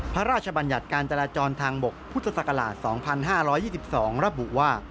พระราชบัญญัติการจราจรทางบกพุทธศักราช๒๕๒๒ระบุว่า